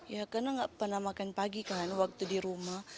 ya karena nggak pernah makan pagi kan waktu di rumah